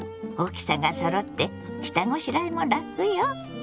大きさがそろって下ごしらえも楽よ。